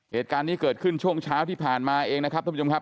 เหตุการณ์นี้เกิดขึ้นช่วงเช้าที่ผ่านมาเองนะครับท่านผู้ชมครับ